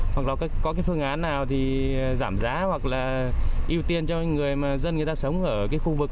hoặc là có cái phương án nào thì giảm giá hoặc là ưu tiên cho người mà dân người ta sống ở cái khu vực